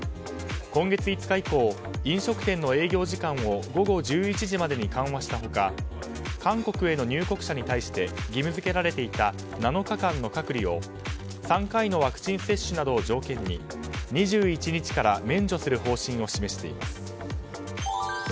今月５日以降飲食店の営業時間を午後１１時までに緩和したほか韓国への入国者に対して義務付けられていた７日間の隔離を３回のワクチン接種などを条件に２１日から免除する方針を示しています。